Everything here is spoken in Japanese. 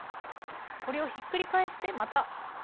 これをひっくり返してまた。